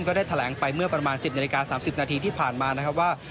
ก็ได้แถลงไปเมื่อประมาณ๑๐นาฬิกา๓๐นาทีที่ผ่านมานะครับว่า